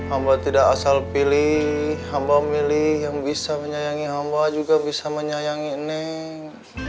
amba tidak asal pilih amba milih yang bisa menyayangi amba juga bisa menyayangi neng